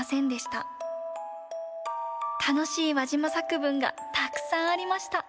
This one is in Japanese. たのしいわじま作文がたくさんありました。